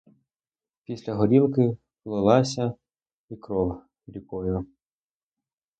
Після горілки полилася і кров рікою.